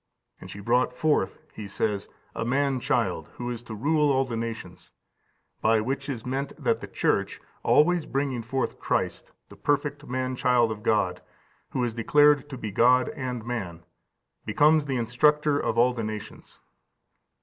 "And she brought forth," he says, "a man child, who is to rule all the nations;" by which is meant that the Church, always bringing forth Christ, the perfect man child of God, who is declared to be God and man, becomes the instructor of all the nations.